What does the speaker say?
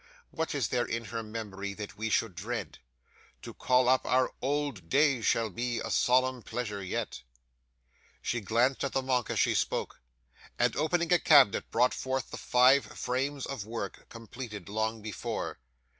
What is there in her memory that we should dread? To call up our old days shall be a solemn pleasure yet." 'She glanced at the monk as she spoke, and, opening a cabinet, brought forth the five frames of work, completed long before.